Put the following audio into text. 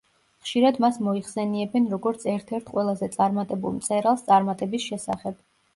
ხშირად მას მოიხსენიებენ როგორც ერთ-ერთ ყველაზე წარმატებულ მწერალს წარმატების შესახებ.